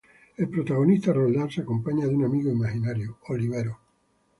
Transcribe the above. El protagonista Roldán se acompaña de un amigo imaginario, Oliveros.